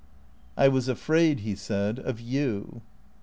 " I was afraid," he said, " of you."